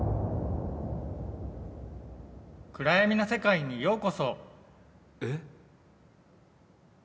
暗闇の世界にようこそ！え？